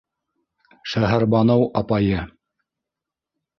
Шәһәрбаныу апайы!